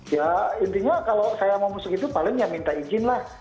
ya intinya kalau saya mau masuk itu paling ya minta izin lah